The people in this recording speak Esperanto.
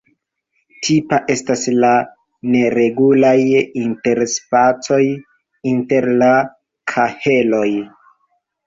Tipa estas la neregulaj interspacoj inter la kaheloj.